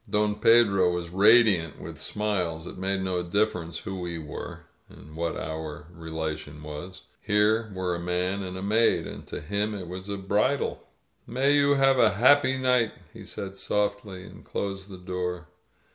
Don Pedro was radiant with smiles. It made no dif ference who we were, or what our relation was. Here were a man and a maid, and to him it was a bridal. "May you have a happy night," he said softly, and closed the door.